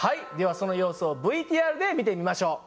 その様子をＶＴＲで見てみましょう。